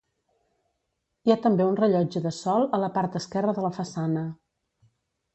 Hi ha també un rellotge de sol a la part esquerra de la façana.